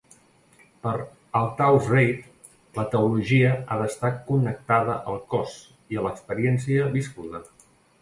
Per Althaus-Reid, la teologia ha d'estar connectada al cos i a l'experiència viscuda.